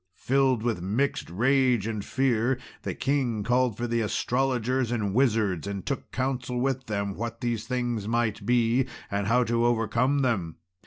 Filled with mixed rage and fear, the king called for the astrologers and wizards, and took counsel with them what these things might be, and how to overcome them.